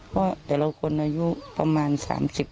เพราะแต่ละคนอายุประมาณ๓๐ขึ้นเลย